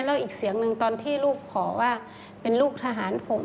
แล้วอีกเสียงหนึ่งตอนที่ลูกขอว่าเป็นลูกทหารผม